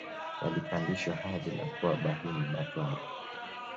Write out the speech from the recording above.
walipandishwa hadhi na kuwa Bahima Batware